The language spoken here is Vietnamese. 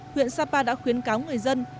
huyện sapa đã khuyến cáo người dân